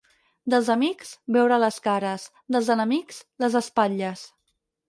Dels amics, veure les cares; dels enemics, les espatlles.